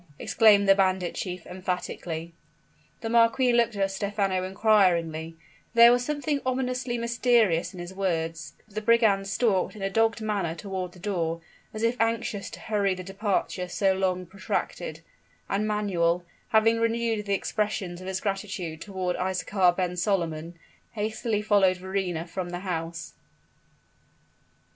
exclaimed the bandit chief, emphatically. The marquis looked at Stephano inquiringly, for there was something ominously mysterious in his words; but the brigand stalked in a dogged manner toward the door, as if anxious to hurry the departure so long protracted, and Manuel, having renewed the expressions of his gratitude toward Isaachar ben Solomon, hastily followed Verrina from the house.